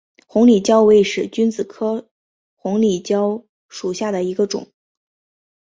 红里蕉为使君子科红里蕉属下的一个种。